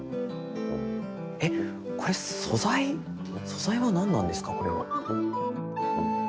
えっこれ素材素材は何なんですかこれは。